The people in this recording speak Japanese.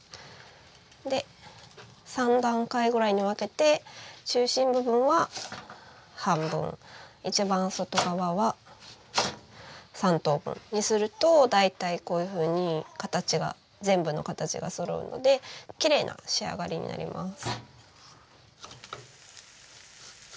で３段階ぐらいに分けて中心部分は半分一番外側は３等分にすると大体こういうふうに形が全部の形がそろうのできれいな仕上がりになります。